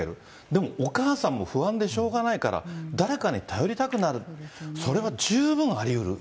でもお母さんも不安でしょうがないから、誰かに頼りたくなる、それは十分ありうる。